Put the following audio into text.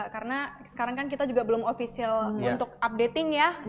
karena sekarang kan kita juga belum official untuk updating ya